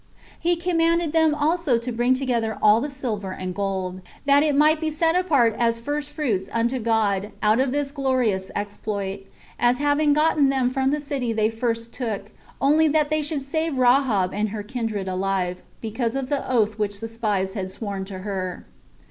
He commanded them also to bring together all the silver and gold, that it might be set apart as first fruits unto God out of this glorious exploit, as having gotten them from the city they first took; only that they should save Rahab and her kindred alive, because of the oath which the spies had sworn to her.